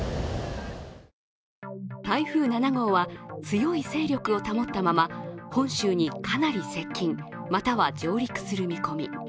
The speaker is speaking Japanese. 台風７号は強い勢力を保ったまま、本州にかなり接近、または上陸する見込み。